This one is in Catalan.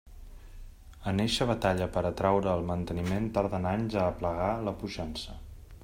En eixa batalla per a traure el manteniment tarden anys a aplegar a la puixança.